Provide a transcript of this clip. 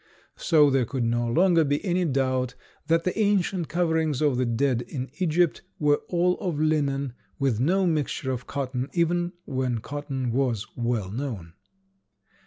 So there could no longer be any doubt that the ancient coverings of the dead in Egypt were all of linen with no mixture of cotton even when cotton was well known.